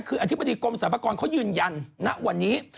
คืออธิบดีกรมสรรพากรเขายืนยันณวันนี้